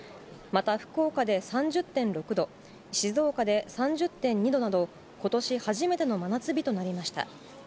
また福岡で３０．６度、静岡で３０．２度など、ことし初めての真夏日となりました。